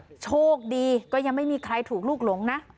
โชคดีก็ยังไม่มีใครถูกลูกหลงนะ